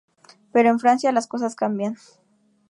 Pero en Francia, las cosas cambian.